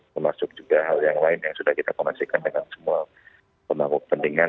memasuk juga hal yang lain yang sudah kita komersikan dengan semua pemangku pendingan